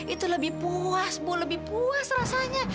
itu lebih puas bu lebih puas rasanya